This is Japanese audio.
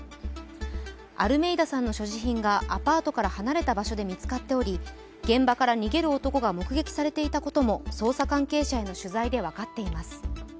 アルメイダさんの所持品がアパートから離れた場所で見つかっており、現場から逃げる男が目撃されていたことも捜査関係者への取材で分かっています。